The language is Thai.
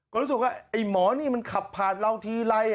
ก็รู้สึกว่าไอ้หมอนี่มันขับผ่านเราทีไร